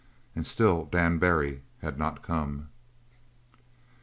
And still Dan Barry had not come.